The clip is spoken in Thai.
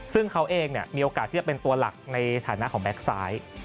ซึ่งเขาเองมีโอกาสที่จะเป็นตัวหลักในฐานะของแก๊กซ้าย